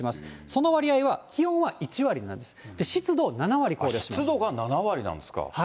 その割合は、気温は１割です、湿度が７割なんですか。